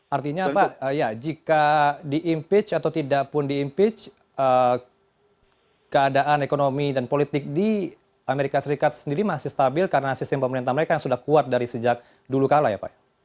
artinya apa ya jika di impeach atau tidak pun di impeach keadaan ekonomi dan politik di amerika serikat sendiri masih stabil karena sistem pemerintah mereka yang sudah kuat dari sejak dulu kalah ya pak ya